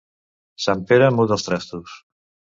Sant Pere muda els trastos.